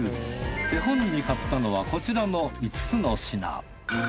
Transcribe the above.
手本に買ったのはこちらの５つの品。